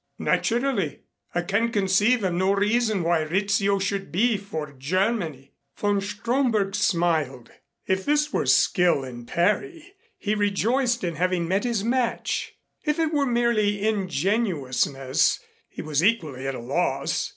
"Naturally. I can conceive of no reason why Rizzio should be for Germany." Von Stromberg smiled. If this were skill in parry, he rejoiced in having met his match. If it were merely ingenuousness, he was equally at a loss.